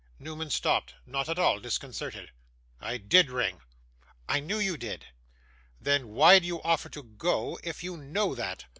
Newman stopped; not at all disconcerted. 'I did ring.' 'I knew you did.' 'Then why do you offer to go if you know that?